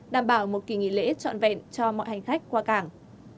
đảm bảo một kỳ nghỉ lễ trọn vẹn cho mọi hành khách qua cảng